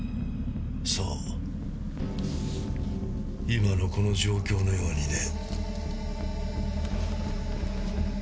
そう今のこの状況のようにね。